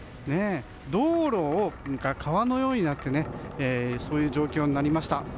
道路が川のようになったという状況になりました。